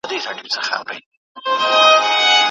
حیات الله ته د خپلې مېرمنې د کلي چکر اوس یو ارمان دی.